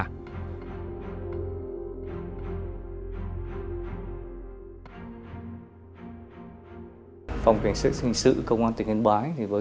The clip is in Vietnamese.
công an tỉnh yên bái đã tiến hành ra soát hàng trăm đối tượng hình sự tại nạn cờ bạc thanh thiếu niên hư ở trên địa bàn